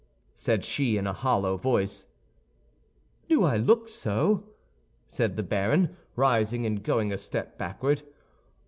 said she, in a hollow voice. "Do I look so?" asked the baron, rising and going a step backward.